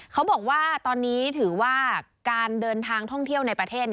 เขาบอกว่าตอนนี้ถือว่าการเดินทางท่องเที่ยวในประเทศ